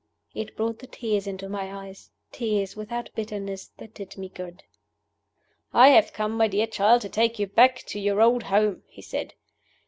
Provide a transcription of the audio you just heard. It brought the tears into my eyes tears, without bitterness, that did me good. "I have come, my dear child, to take you back to your old home," he said.